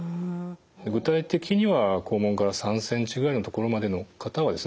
具体的には肛門から３ｃｍぐらいの所までの方はですね